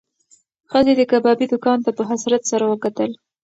ښځې د کبابي دوکان ته په حسرت سره وکتل.